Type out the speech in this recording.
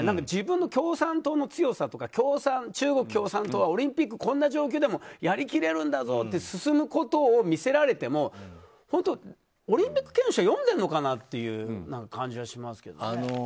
自分の共産党の強さとか中国共産党はオリンピックをこんな状況でもやりきれるんだぞって進むことを見せられても、オリンピック憲章読んでるのかなっていう感じがしますけどね。